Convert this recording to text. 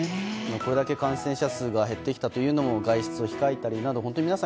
これだけ感染者数が減ってきたというのも外出を控えたり本当に皆さん